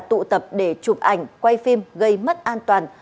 tụ tập để chụp ảnh quay phim gây mất an toàn